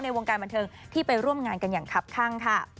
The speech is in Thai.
วงการบันเทิงที่ไปร่วมงานกันอย่างคับข้างค่ะ